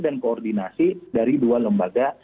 dan koordinasi dari dua lembaga